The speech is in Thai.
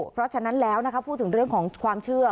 เพราะฉะนั้นแล้วนะคะพูดถึงเรื่องของความเชื่อ